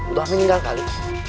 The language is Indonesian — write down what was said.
udah amin tinggal kali